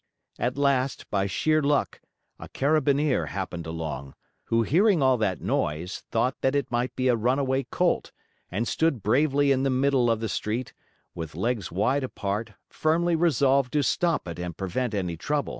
At last, by sheer luck, a Carabineer* happened along, who, hearing all that noise, thought that it might be a runaway colt, and stood bravely in the middle of the street, with legs wide apart, firmly resolved to stop it and prevent any trouble.